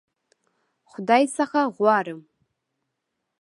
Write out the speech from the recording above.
خدای څخه غواړم.